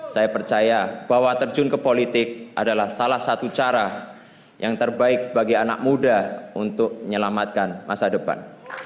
saya percaya bahwa terjun ke politik adalah salah satu cara yang terbaik bagi anak muda untuk menyelamatkan masa depan